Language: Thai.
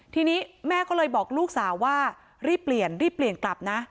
ทีนี้แม่ก็เลยบอกลูกสาวว่ารีบเปลี่ยนรีบเปลี่ยนกลับนะ